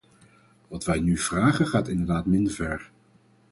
Wat wij nu vragen gaat inderdaad minder ver.